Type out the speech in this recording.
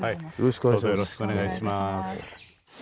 よろしくお願いします。